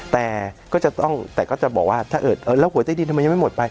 แต่ก็จะบอกว่าถ้าเอิดแล้วหัวใต้ดินทำไมยังไม่หมดไป